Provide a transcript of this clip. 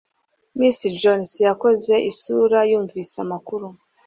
Miss Jones yakoze isura yumvise amakuru.